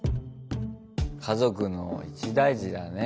家族の一大事だね。